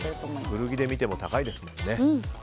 古着で見ても高いですもんね。